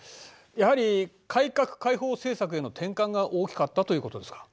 やはり改革開放政策への転換が大きかったということですか？